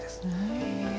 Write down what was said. へえ。